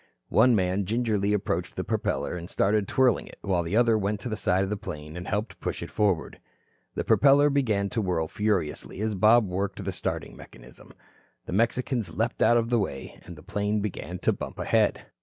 One man gingerly approached the propeller and started twirling it, while the other went to the side of the plane and helped push it forward. The propeller began to whirl furiously as Bob worked the starting mechanism. The Mexicans leaped out of the way. The plane began to bump ahead.